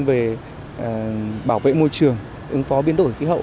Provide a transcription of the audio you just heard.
về bảo vệ môi trường ứng phó biến đổi khí hậu